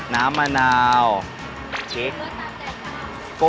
น้ำมะนาวชิคกรุ่ม